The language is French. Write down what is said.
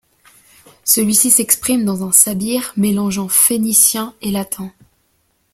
Celui-ci s'exprime dans un sabir mélangeant phénicien et latin.